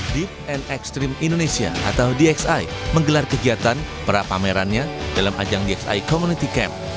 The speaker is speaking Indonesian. deep and extreme indonesia atau dxi menggelar kegiatan perapamerannya dalam ajan dxi community camp